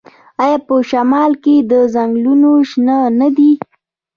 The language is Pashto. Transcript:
آیا په شمال کې ځنګلونه شنه نه دي؟